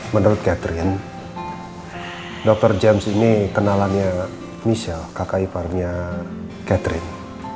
menurut catherine dr james ini kenalannya michelle kakak iparnya catherine